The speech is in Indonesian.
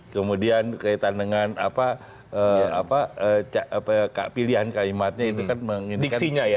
kemudian kaitan dengan pilihan kalimatnya itu kan mengindikasikan